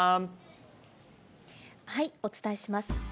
お伝えします。